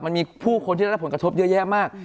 มันมีผู้คนที่ได้รับผลกระทบเยอะแยะมาก